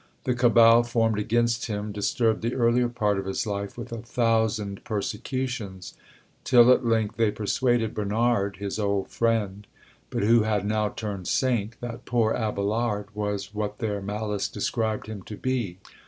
The cabal formed against him disturbed the earlier part of his life with a thousand persecutions, till at length they persuaded Bernard, his old friend, but who had now turned saint, that poor Abelard was what their malice described him to be.